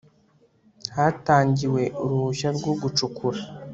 hatangiwe uruhushya rwo gucukura